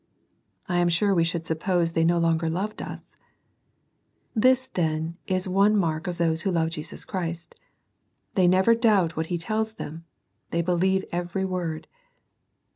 I am sure we should suppose they no longer loved us. Tliis, then, is one mark of those who love Jesus Christ, — ^they never doubt what He tells them, they believe every word.